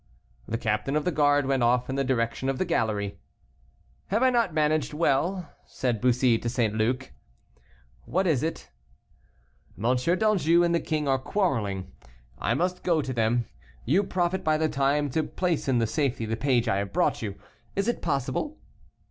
The captain of the guard went off in the direction of the gallery. "Have I not managed well?" said Bussy to St. Luc. "What is it?" "M. d'Anjou and the king are quarrelling; I must go to them. You profit by the time to place in safety the page I have brought you; is it possible?"